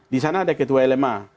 di sana ada ketua lma